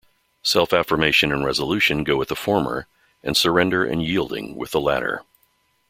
Self-affirmation and resolution go with the former and surrender and yielding with the latter.